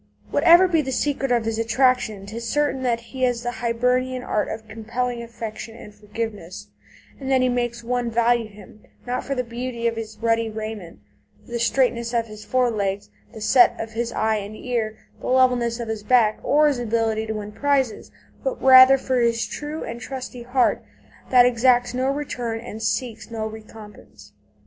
Whatever be the secret of his attraction 'tis certain that he has the Hibernian art of compelling affection and forgiveness, and that he makes one value him, not for the beauty of his ruddy raiment, the straightness of his fore legs, the set of his eye and ear, the levelness of his back, or his ability to win prizes, but rather for his true and trusty heart, that exacts no return and seeks no recompense.